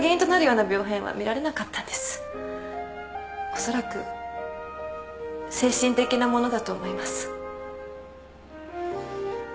おそらく精神的なものだと思います。